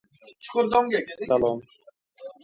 Mening qadamimdan unsiz sinadi